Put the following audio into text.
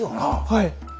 はい。